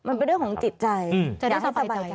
มันเป็นเรื่องของจิตใจอยากให้สบายใจ